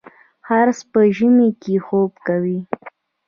خرس په ژمي کې خوب کوي